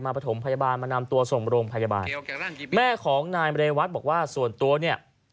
ประถมพยาบาลมานำตัวส่งโรงพยาบาลแม่ของนายเรวัตบอกว่าส่วนตัวเนี่ย